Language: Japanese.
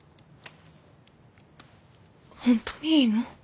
本当にいいの？